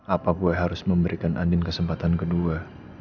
apa gue harus memberikan andin kesempatan kedua